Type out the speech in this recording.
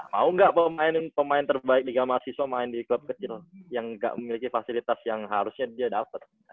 mau gak pemain terbaik di liga mahasiswa main di klub kecil yang gak memiliki fasilitas yang harusnya dia dapet